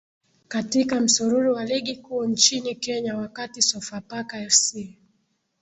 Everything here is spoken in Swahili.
katika msururu wa ligi kuu nchini kenya wakati sofapaka fc